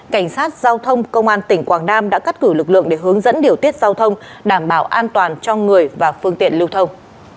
cảnh sát giao thông công an tỉnh quảng nam đã cắt cử lực lượng để hướng dẫn điều tiết giao thông đảm bảo an toàn cho người và phương tiện lưu thông